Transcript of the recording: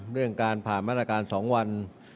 เรื่องการผ่านมาตรการ๒วัน